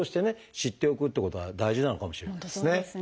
知っておくっていうことは大事なのかもしれないですね。